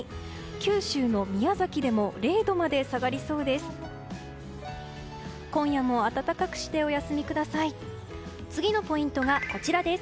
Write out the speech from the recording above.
九州の宮崎でも０度まで下がりそうです。